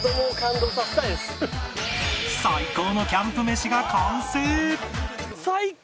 最高のキャンプ飯が完成